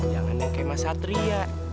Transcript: jangan kayak mas satria